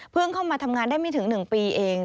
เข้ามาทำงานได้ไม่ถึง๑ปีเอง